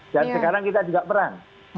dan sekarang kita juga perang